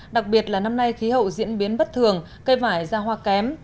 đặc biệt là năm nay khí hậu diễn biến bất thường cây vải ra hoa kém